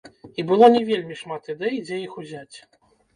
І было не вельмі шмат ідэй, дзе іх узяць.